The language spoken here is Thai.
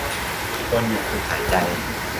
ควรหยุดฝึกหายใจ